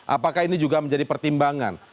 apakah ini juga menjadi pertimbangan